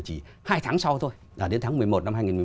thì hai tháng sau thôi đến tháng một mươi một năm hai nghìn một mươi một